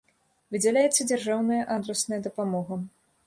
Выдзяляецца дзяржаўная адрасная дапамога.